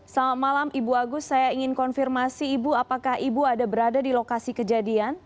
selamat malam ibu agus saya ingin konfirmasi ibu apakah ibu ada berada di lokasi kejadian